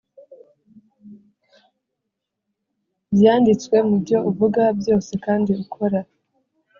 byanditswe mubyo uvuga byose kandi ukora.